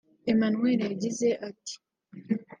Emanuel yagize ati